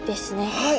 はい。